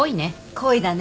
恋だね。